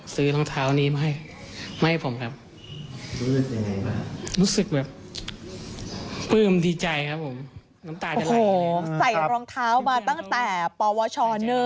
อ๋อใส่รองเท้ามาตั้งแต่ภาวะช๑